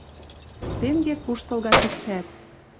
Тенге куштылга кидшӓт.